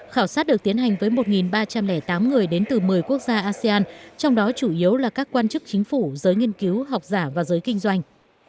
khảo sát được tiến hành với một ba trăm linh tám người đến từ một mươi quốc gia asean trong đó chủ yếu là các quan chức chính phủ giới nghiên cứu học giả và giới kinh doanh